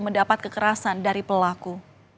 mendapat kekerasan dari pelaku